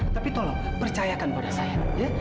tapi tolong percayakan pada saya